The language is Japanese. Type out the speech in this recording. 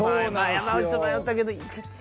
山内と迷ったけど井口。